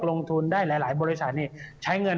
ลงทุนได้หลายบริษัทใช้เงิน